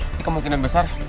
ini kemungkinan besar